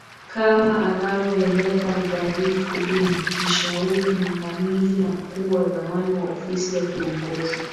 kama anavyoeleza Thalif Deen mshauri mwandamizi na mkuu wa zamani wa ofisi ya kiongozi